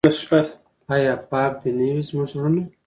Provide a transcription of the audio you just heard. آیا پاک دې نه وي زموږ زړونه؟